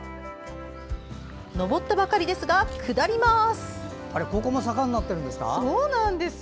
上ったばかりですが、下ります。